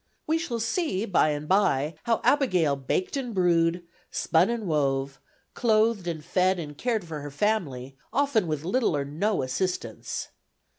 We shall see by and by how Abigail baked and brewed, spun and wove, clothed and fed and cared for her family, often with little or no assistance.